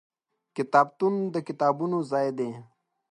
کتابتون د کتابونو ځای دی.